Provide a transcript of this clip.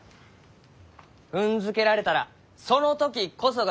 踏んづけられたらその時こそが変化の機会。